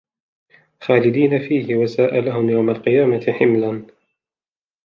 خَالِدِينَ فِيهِ وَسَاءَ لَهُمْ يَوْمَ الْقِيَامَةِ حِمْلًا